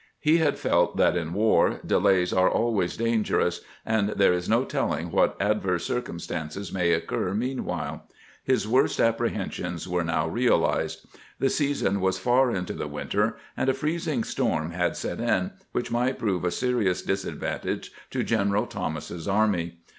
He had felt that in war delays are always danger ous, and there is no telling what adverse circumstances may occur meanwhile. His worst apprehensions were now realized. The season was far into the winter, and a freezing storm had set in, which might prove a serious disadvantage to G eneral Thomas's army.